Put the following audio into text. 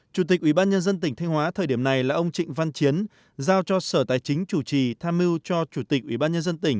chủ tịch ủy ban nhân dân tỉnh thanh hóa thời điểm này là ông trịnh văn chiến giao cho sở tài chính chủ trì tham mưu cho chủ tịch ủy ban nhân dân tỉnh